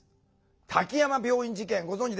滝山病院事件ご存じですか？